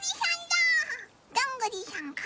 どんぐりさんだ！